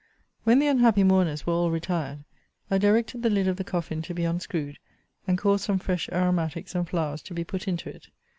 ] When the unhappy mourners were all retired, I directed the lid of the coffin to be unscrewed, and caused some fresh aromatics and flowers to be put into it.